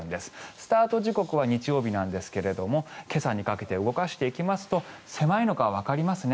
スタート時刻は日曜日なんですが今朝にかけて動かしていきますと狭いのがわかりますね。